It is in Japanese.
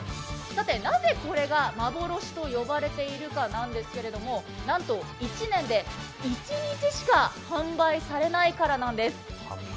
なぜ、これが幻と呼ばれているかなんですけども、なんと１年で一日しか販売されないからなんです。